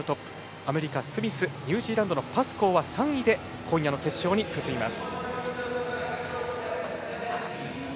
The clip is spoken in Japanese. アメリカ、スミスニュージーランドのパスコーは３位で今夜の決勝に進みます。